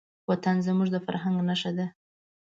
وطن زموږ د فرهنګ نښه ده.